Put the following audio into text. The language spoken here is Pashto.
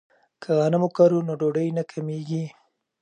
که غنم وکرو نو ډوډۍ نه کمیږي.